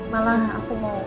malah aku mau